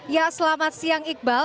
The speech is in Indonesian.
ya selamat siang iqbal